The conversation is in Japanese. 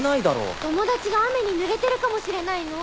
友達が雨にぬれてるかもしれないの。